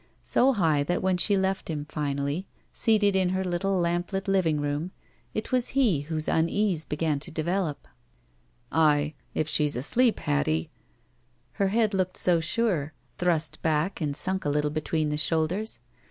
So high that when she left him finally, seated in her little lamplit living room, it was he whose unease began to develop. m THE SMUDGE "I — If she's asleep, Hattii Her head looked so stire. Hirust back and sunk a little between the shoulders.